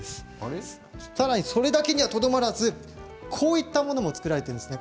それだけにはとどまらずこういったものも作られています。